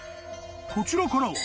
［こちらからは］